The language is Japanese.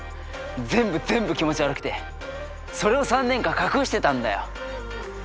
全部全部気持ち悪くてそれを３年間隠してたんだよ。